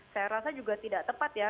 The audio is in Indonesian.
saya rasa juga tidak tepat ya